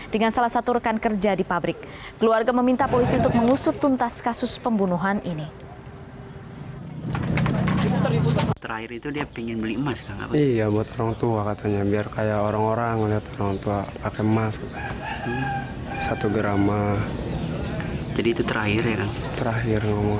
dengan salah satu rekan kerja di pabrik keluarga meminta polisi untuk mengusut tuntas kasus pembunuhan ini